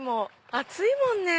暑いもんね。